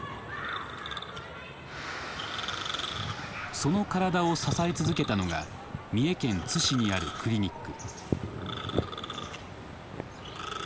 その体を支え続けたのが三重県津市にあるクリニック。